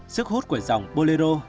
sức hút của dòng bolero